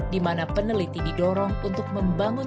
di mana peneliti didorong untuk membangun